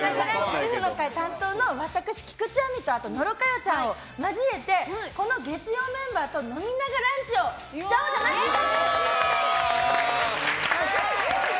主婦の会担当の私、菊地亜美と野呂佳代ちゃんを交えて月曜メンバーと飲みながランチ！をしちゃおうじゃないかと！